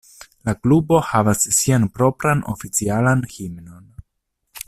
La klubo havas sian propran oficialan himnon.